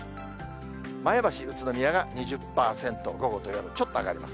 前橋、宇都宮が２０％、午後と夜、ちょっと上がります。